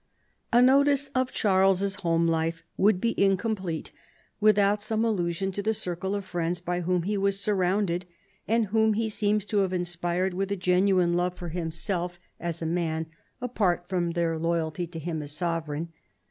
A notice of Charles's home life would be incom plete without some allusion to the circle of friends by whom he was surrounded, and whom he seems to have inspired with a genuine love for himself as 288 CHARLEMAGNE. u man, apart from their loyalty to him as sov ereign.